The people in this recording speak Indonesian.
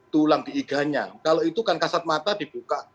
tulang giganya kalau itu kan kasat mata dibuka